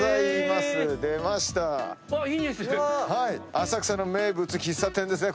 浅草の名物喫茶店ですね。